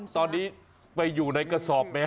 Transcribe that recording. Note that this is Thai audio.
ตอนนี้ไปอยู่ในกระสอบแมว